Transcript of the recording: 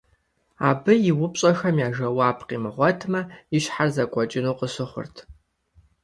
Абы и упщӀэхэм я жэуап къимыгъуэтмэ, и щхьэр зэкӀуэкӀыну къыщыхъурт.